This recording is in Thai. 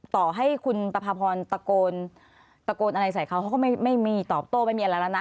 ต่อให้คุณประพาพรตะโกนอะไรใส่เขาเขาก็ไม่มีตอบโต้ไม่มีอะไรแล้วนะ